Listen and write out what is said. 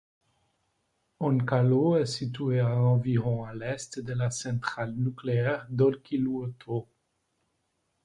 Onkalo est situé à environ à l'est de la centrale nucléaire d'Olkiluoto.